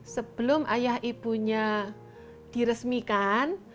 sebelum ayah ibunya diresmikan